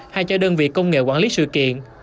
hay cho đơn vị công nghệ quản lý sự kiện